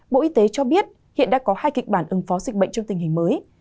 bộ y tế cho biết hiện đã có hai kịch bản ứng phó dịch bệnh trong tình hình mới